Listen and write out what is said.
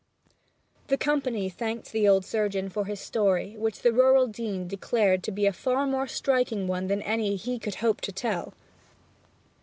The company thanked the old surgeon for his story, which the rural dean declared to be a far more striking one than anything he could hope to tell.